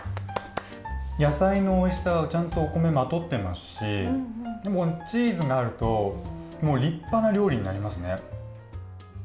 野菜のおいしさ、ちゃんとお米、まとっていますしチーズがあると立派な料理になりますね。